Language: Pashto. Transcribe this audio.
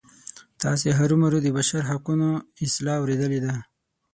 تاسې هرومرو د بشر د حقونو اصطلاح اوریدلې ده.